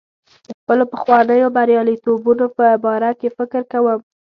د خپلو پخوانیو بریالیتوبونو په باره کې فکر کوم.